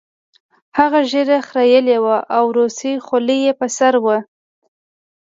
هغه ږیره خریلې وه او روسۍ خولۍ یې په سر وه